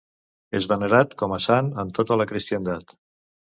És venerat com a sant en tota la cristiandat.